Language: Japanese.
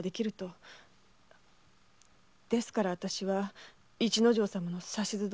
ですからあたしは市之丞様のお指図どおり。